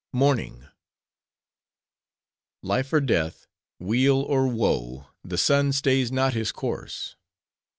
Morning Life or death, weal or woe, the sun stays not his course.